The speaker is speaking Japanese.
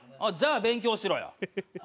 じゃあ勉強しろよ。